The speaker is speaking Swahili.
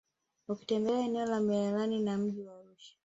Ukitembelea eneo la Merelani na mji wa Arusha